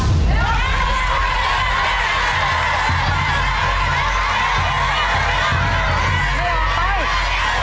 ไม่ออกไป